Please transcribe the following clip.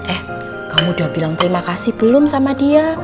eh kamu udah bilang terima kasih belum sama dia